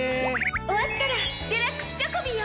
終わったらデラックスチョコビよ。